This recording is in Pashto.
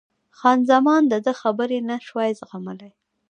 خان زمان د ده خبرې نه شوای زغملای.